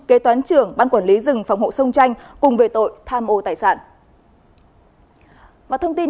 kế toán trưởng ban quản lý rừng phòng hộ sông chanh cùng về tội tham ô tài sản